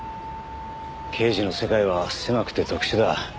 刑事の世界は狭くて特殊だ。